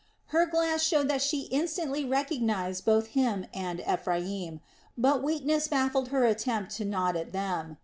Her glance showed that she instantly recognized both him and Ephraim, but weakness baffled her attempt to nod to them.